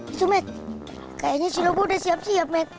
itu matt kayaknya si lobo udah siap siap matt